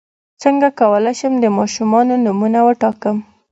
څنګه کولی شم د ماشومانو نومونه وټاکم